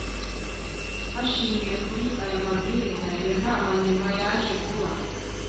Hashingiwe kuri aya mabwiriza iyo nama nyuma yaje kuba